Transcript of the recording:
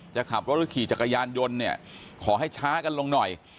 จะขับรถหรือขี่จักรยานยนต์เนี่ยขอให้ช้ากันลงหน่อย